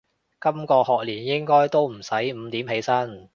今個學年應該都唔使五點起身